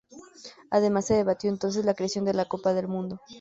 Además se debatió entonces la creación de la Copa del Mundo.